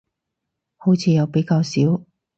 好似又比較少